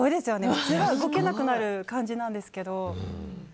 普通は動けなくなる感じなんですけど。